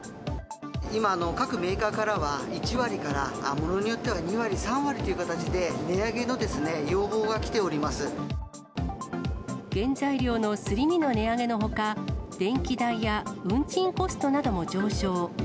今、各メーカーからは１割から、物によっては２割、３割という形で、原材料のすり身の値上げのほか、電気代や運賃コストなども上昇。